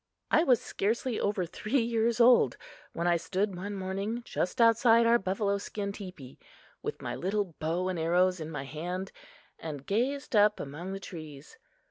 I was scarcely over three years old when I stood one morning just outside our buffalo skin teepee, with my little bow and arrows in my hand, and gazed up among the trees.